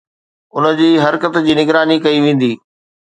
ان جي حرڪت جي نگراني ڪئي ويندي